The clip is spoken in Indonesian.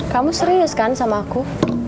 kamu serius kan sama aku